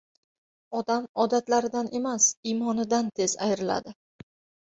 • Odam odatlaridan emas, iymonidan tez ayriladi.